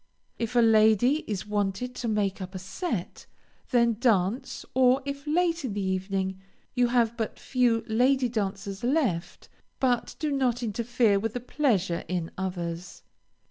If a lady is wanted to make up a set, then dance, or if, late in the evening, you have but few lady dancers left, but do not interfere with the pleasure in others.